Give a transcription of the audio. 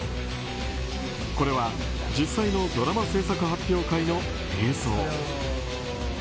これは、実際のドラマ制作発表会の映像。